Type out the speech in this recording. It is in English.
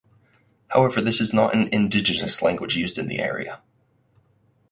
However this is not an Indigenous language used in the area.